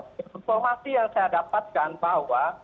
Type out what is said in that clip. informasi yang saya dapatkan bahwa